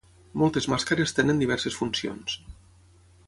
Moltes màscares tenen diverses funcions.